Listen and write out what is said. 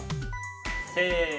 せの。